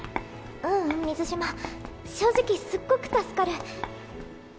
ううん水嶋正直すっごく助かる。